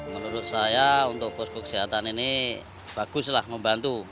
menurut saya untuk posko kesehatan ini baguslah membantu